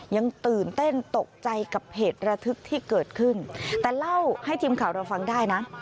ยังตื่นเต้นตกใจกับเหตุระทึกที่เกิดขึ้นแต่เล่าให้ทีมข่าวเราฟังได้นะ